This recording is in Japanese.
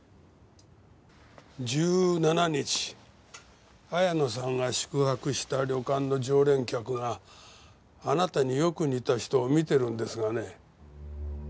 １７日綾野さんが宿泊した旅館の常連客があなたによく似た人を見てるんですがね。